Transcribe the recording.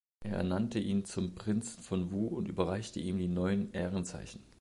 Er ernannte ihn zum Prinzen von Wu und überreichte ihm die Neun Ehrenzeichen.